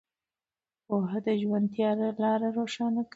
پوهه د ژوند تیاره لارې روښانه کوي.